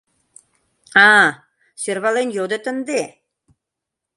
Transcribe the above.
— А-а. сӧрвален йодыт ынде.